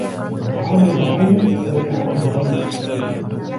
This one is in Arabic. عمى العين ولا عمى القلب